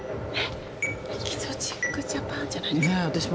「エキゾチック・ジャパン」じゃないですか？